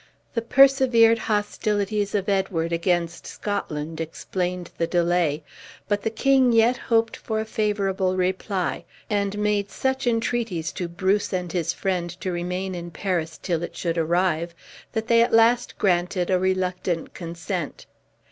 The persevered hostilities of Edward against Scotland explained the delay; but the king yet hoped for a favorable reply, and made such entreaties to Bruce and his friend to remain in Paris till it should arrive, that they at last granted a reluctant consent.